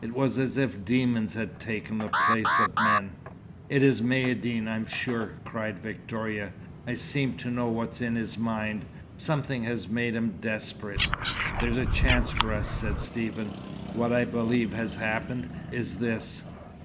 It was as if demons had taken the place of men. "It is Maïeddine, I'm sure!" cried Victoria. "I seem to know what is in his mind. Something has made him desperate." "There's a chance for us," said Stephen. "What I believe has happened, is this.